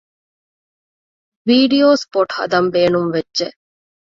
ވީޑިއޯ ސްޕޮޓް ހަދަން ބޭނުންވެއްޖެ